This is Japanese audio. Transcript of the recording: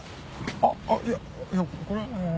あっいやいやこれはあの。